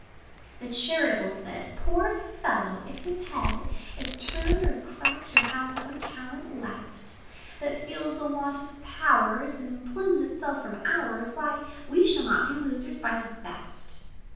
The charitable said, "Poor fellow! if his head Is turned, or cracked, or has no talent left; But feels the want of powers, And plumes itself from ours, Why, we shall not be losers by the theft."